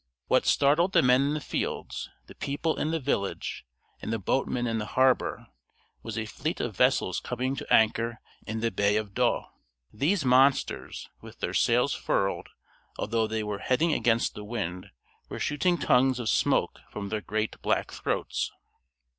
What startled the men in the fields, the people in the village, and the boatmen in the harbor, was a fleet of vessels coming to anchor in the bay of Yedo. These monsters, with their sails furled, although they were heading against the wind, were shooting tongues of smoke from their great black throats.